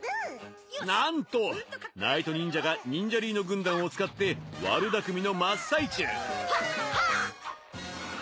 なんとナイトニンジャがニンジャリーノ軍団を使って悪だくみの真っ最中ハッハーッ！